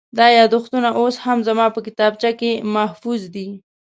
دا یادښتونه اوس هم زما په کتابخانه کې محفوظ دي.